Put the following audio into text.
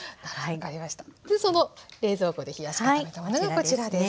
その冷蔵庫で冷やし固めたものがこちらです。